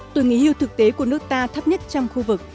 tuổi nghỉ hưu thực tế của nước ta thấp nhất trong khu vực